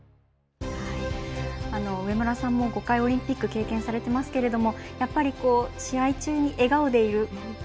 上村さんも５回オリンピック経験されてますがやっぱり、試合中に笑顔でいる。